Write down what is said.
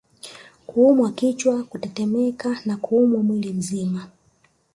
Kuumwa kichwa kutetemeka na kuumwa mwili mzima